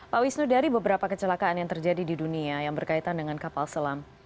pak wisnu dari beberapa kecelakaan yang terjadi di dunia yang berkaitan dengan kapal selam